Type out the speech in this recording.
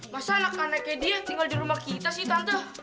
masa anak anaknya dia tinggal di rumah kita sih tante